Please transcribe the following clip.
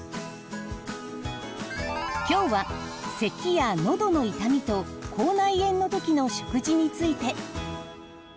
今日はせきやのどの痛みと口内炎のときの食事について。